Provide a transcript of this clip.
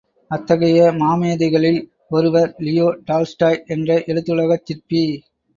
அத்தகைய மாமேதைகளில் ஒருவர் Leo Tolstoy என்ற எழுத்துலகச் சிற்பி.